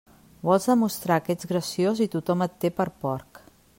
Vols demostrar que ets graciós i tothom et té per porc.